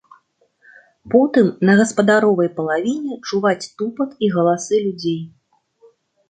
Потым на гаспадаровай палавіне чуваць тупат і галасы людзей.